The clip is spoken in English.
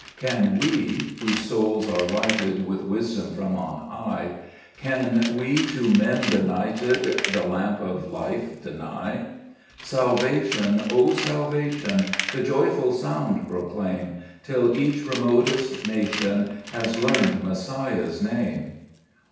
3 Can we, whose souls are lighted With wisdom from on high, Can we to men benighted The lamp of life deny ? Salvation ! O salvation ! The joyful sound proclaim, Till each remotest nation Has learned Messiah's Name.